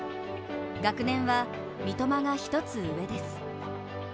学年は、三笘が１つ上です。